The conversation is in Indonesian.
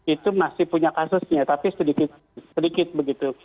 itu masih punya kasusnya tapi sedikit begitu